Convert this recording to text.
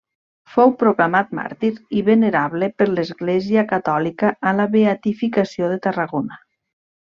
Fou proclamat màrtir i venerable per l'Església catòlica a la Beatificació de Tarragona.